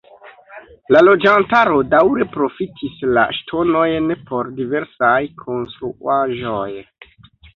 La loĝantaro daŭre profitis la ŝtonojn por diversaj konstruaĵoj.